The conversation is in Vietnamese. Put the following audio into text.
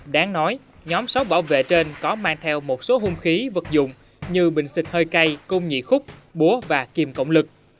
đáng nói nhóm sáu bảo vệ trên có mang theo một số hôn khí vật dụng như bình xịt hơi cay công nhị khúc búa và kiềm cộng lực